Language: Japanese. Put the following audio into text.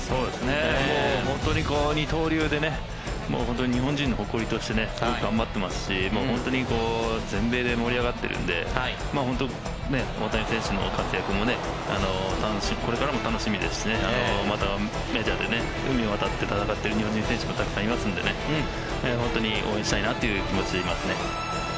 本当に二刀流で日本人の誇りとしてすごく頑張っていますし全米で盛り上がってるので大谷選手の活躍もこれからも楽しみですしまたメジャーで海を渡って頑張っている日本人選手もたくさんいますので本当に応援したいなという気持ちでいますね。